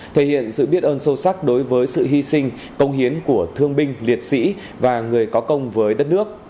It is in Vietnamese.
thể hiện sự biết ơn sâu sắc đối với sự hy sinh công hiến của thương binh liệt sĩ và người có công với đất nước